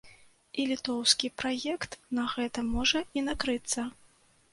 І літоўскі праект на гэтым можа і накрыцца.